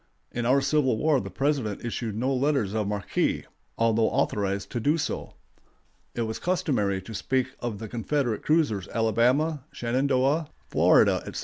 In our Civil War the President issued no letters of marque, although authorized to do so. It was customary to speak of the Confederate cruisers Alabama, Shenandoah, Florida, etc.